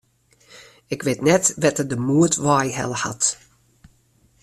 Ik wit net wêr't er de moed wei helle hat.